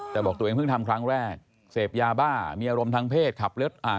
แต่บอกตัวเองเพิ่งทำครั้งแรกเสพยาบ้ามีอารมณ์ทางเพศขับรถอ่า